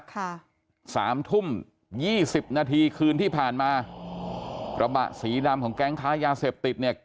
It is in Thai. สามทุ่มยี่สิบนาทีคืนที่ผ่านมากระบะสีดำของแก๊งค้ายาเสพติดเนี่ย